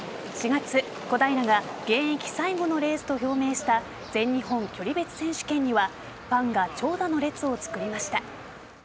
４月、小平が現役最後のレースと表明した全日本距離別選手権にはファンが長蛇の列を作りました。